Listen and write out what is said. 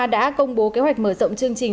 đã công bố kế hoạch mở rộng chương trình